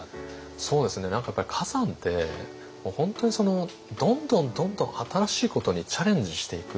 そうですね何かやっぱり崋山って本当にどんどんどんどん新しいことにチャレンジしていく。